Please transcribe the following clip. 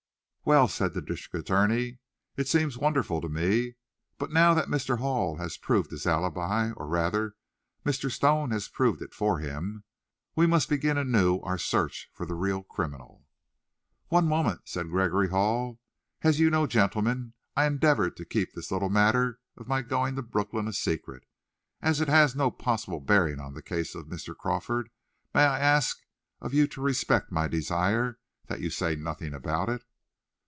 "Well," said the district attorney, "it seems wonderful to me. But now that Mr. Hall has proved his alibi, or, rather, Mr. Stone has proved it for him, we must begin anew our search for the real criminal." "One moment," said Gregory Hall. "As you know, gentlemen, I endeavored to keep this little matter of my going to Brooklyn a secret. As it has no possible bearing on the case of Mr. Crawford, may I ask of you to respect my desire that you say nothing about it?"